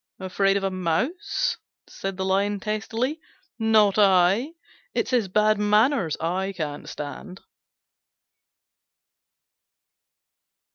"Afraid of a Mouse?" said the Lion testily: "not I! It's his bad manners I can't stand."